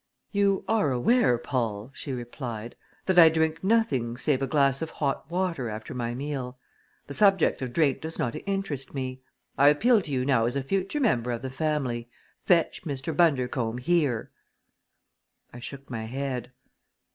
"You are aware, Paul," she replied, "that I drink nothing save a glass of hot water after my meal. The subject of drink does not interest me. I appeal to you now as a future member of the family: Fetch Mr. Bundercombe here!" I shook my head.